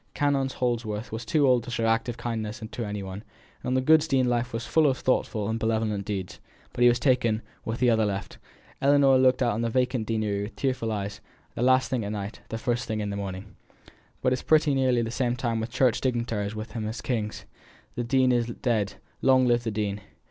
Canon Holdsworth was too old to show active kindness to any one; the good dean's life was full of thoughtful and benevolent deeds. But he was taken, and the other left. Ellinor looked out at the vacant deanery with tearful eyes, the last thing at night, the first in the morning. But it is pretty nearly the same with church dignitaries as with kings; the dean is dead, long live the dean!